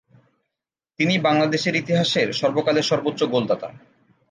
তিনি বাংলাদেশের ইতিহাসের সর্বকালের সর্বোচ্চ গোলদাতা।